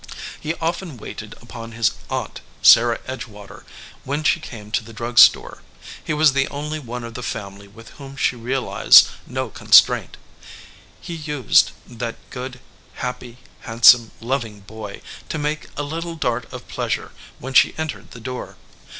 He often waited upon his aunt Sarah Edgewater when she came to the drug store. He was the only one of the family with whom she realized no con straint. He used, that good, happy, handsome, lov ing boy, to make a little dart of pleasure when she entered the door.